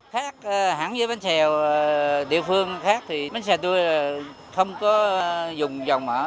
khác hãng với bánh xèo địa phương khác thì bánh xèo tôi không có dùng dầu mỡ